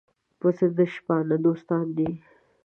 پسه د شپانه دوستان دي.